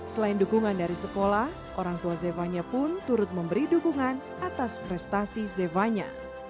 selain dukungan dari sekolah orang tua zevanya pun turut memberi dukungan atas prestasi zevanya